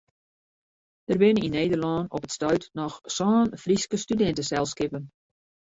Der binne yn Nederlân op it stuit noch sân Fryske studinteselskippen.